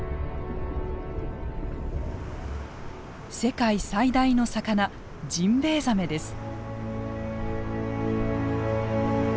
世界最大の魚ジンベエザメです。